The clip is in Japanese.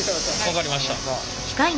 分かりました。